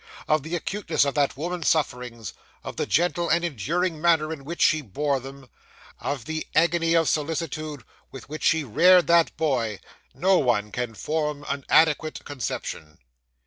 Of the acuteness of that woman's sufferings, of the gentle and enduring manner in which she bore them, of the agony of solicitude with which she reared that boy, no one can form an adequate conception.